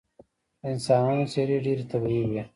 د انسانانو څیرې ډیرې طبیعي وې